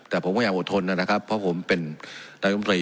แต่ผมก็ยังอดทนนะครับเพราะผมเป็นนายมตรี